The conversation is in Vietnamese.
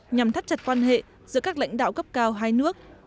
nhằm thắt chặt quan hệ giữa các lãnh đạo cấp cao hai nước